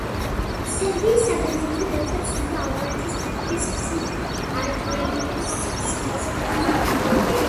სერბიას საბერძნეთთან ერთად სურდა ალბანეთის გაყოფის გზით ადრიატიკის ზღვაზე გასვლა.